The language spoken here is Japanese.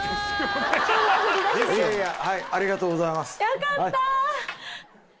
よかった！